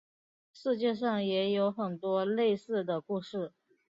世界上也有很多类似的故事。